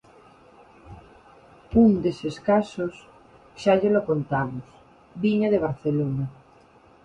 Un deses casos, xa llelo contamos, viña de Barcelona.